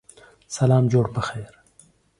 سلام جوړ پخیر